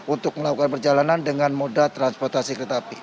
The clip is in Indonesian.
untuk melakukan perjalanan dengan moda transportasi kereta api